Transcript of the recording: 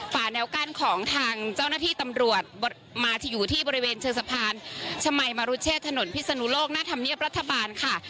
แนวกั้นของทางเจ้าหน้าที่ตำรวจมาที่อยู่ที่บริเวณเชิงสะพานชมัยมรุเชษถนนพิศนุโลกหน้าธรรมเนียบรัฐบาลค่ะ